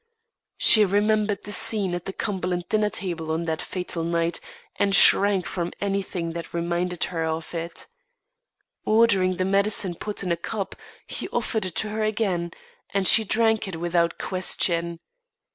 She remembered the scene at the Cumberland dinner table on that fatal night and shrank from anything that reminded her of it. Ordering the medicine put in a cup, he offered it to her again, and she drank it without question.